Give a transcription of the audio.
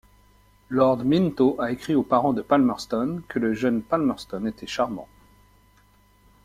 Lord Minto a écrit aux parents de Palmerston que le jeune Palmerston était charmant.